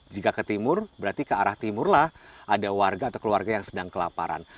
jika ke timur berarti ke arah timur lah ada warga atau keluarga yang sedang kelaparan